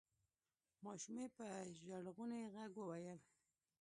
ماشومې په ژړغوني غږ وویل: